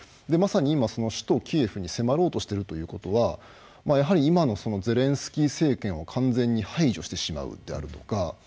まさに今首都キエフに迫ろうとしているということはやはり今のゼレンスキー政権を完全に排除してしまうであるとか